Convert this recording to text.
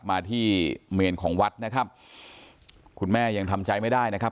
มาที่เมนของวัดนะครับคุณแม่ยังทำใจไม่ได้นะครับ